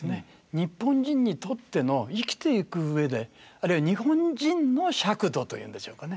日本人にとっての生きていく上であるいは日本人の尺度というんでしょうかね